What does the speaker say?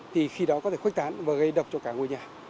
thì khi đó có thể khuếch tán và gây độc cho cả ngôi nhà